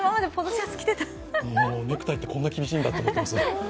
ネクタイってこんなに厳しいんだって思います。